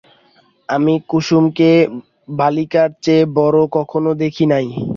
আমি কুসুমকে বালিকার চেয়ে বড়ো কখনো দেখি নাই।